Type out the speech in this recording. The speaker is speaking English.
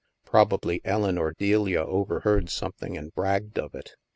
Probably Ellen or Delia overheard something and bragged of it.